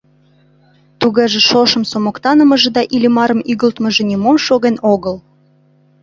Тугеже шошымсо моктанымыже да Иллимарым игылтмыже нимом шоген огыл!